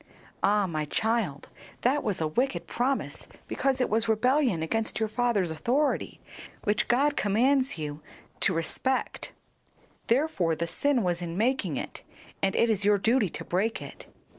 "Ah, my child, that was a wicked promise because it was rebellion against your father's authority, which God commands you to respect. Therefore the sin was in making it, and it is your duty to break it."